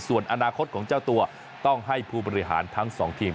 ส่วนอนาคตของเจ้าตัวต้องให้ผู้บริหารทั้งสองทีม